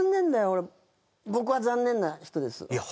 俺僕は残念な人ですいや